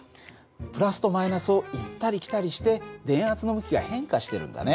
プラスとマイナスを行ったり来たりして電圧の向きが変化してるんだね。